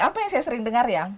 apa yang saya sering dengar ya